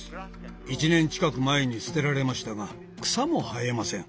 １年近く前にすてられましたが草も生えません。